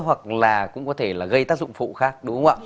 hoặc là cũng có thể gây tác dụng phụ khác